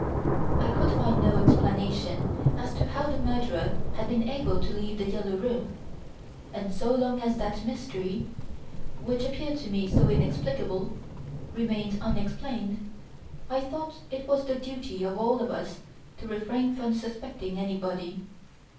I could find no explanation as to how the murderer had been able to leave "The Yellow Room"; and so long as that mystery, which appeared to me so inexplicable, remained unexplained, I thought it was the duty of all of us to refrain from suspecting anybody.